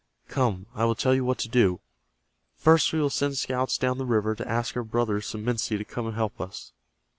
Come, I will tell you what to do. First we will send scouts down the river to ask our brothers, the Minsi, to come and help us.